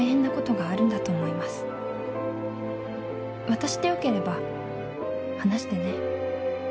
「私でよければ話してね」